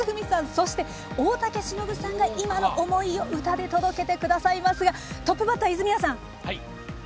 そして、大竹しのぶさんが今の思いを歌で届けてくださいますがトップバッター、泉谷さん。